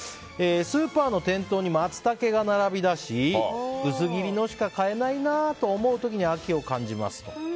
スーパーの店頭にマツタケが並び出し薄切りのしか買えないなと思うときに秋を感じます。